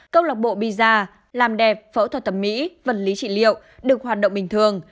công lộc bộ bì da làm đẹp phẫu thuật tẩm mỹ vật lý trị liệu được hoạt động bình thường